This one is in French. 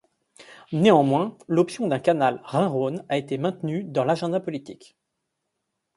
Néanmoins, l'option d'un canal Rhin-Rhônea été maintenue dans l'agenda politique.